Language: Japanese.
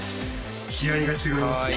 気合が違いますね。